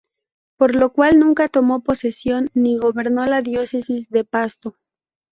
Por lo cual nunca tomo posesión ni gobernó la diócesis de Pasto.